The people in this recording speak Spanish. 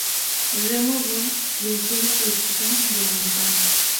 Remo Bertoni venció en la clasificación de la montaña.